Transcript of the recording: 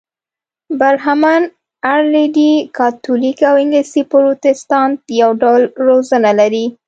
برهمن، ارلنډي کاتولیک او انګلیسي پروتستانت یو ډول روزنه لري.